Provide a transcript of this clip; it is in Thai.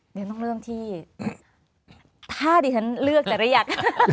เดี๋ยวฉันต้องเริ่มที่ถ้าดิฉันเลือกจะเรียก